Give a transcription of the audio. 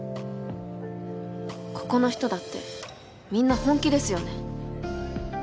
ここの人だってみんな本気ですよね？